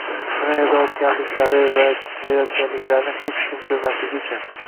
nima yozayotganliklari va chizayotganliklarini hech kim ko‘rmasligi uchun